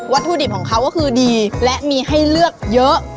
ถุดิบของเขาก็คือดีและมีให้เลือกเยอะ